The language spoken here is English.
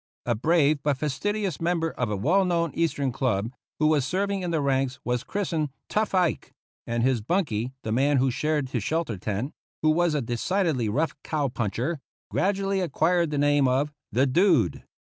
A brave but fastidious member of a well known Eastern club, who was serving in the ranks, was christened "Tough Ike "; and his bunkie, the man who shared his shelter tent, who was a decidedly rough cow puncher, gradually acquired the name of " The Dude."